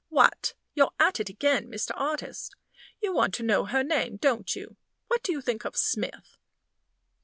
What! you're at it again, Mr. Artist! You want to know her name, don't you? What do you think of Smith?